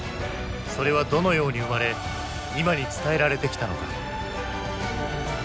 それはどのように生まれ今に伝えられてきたのか。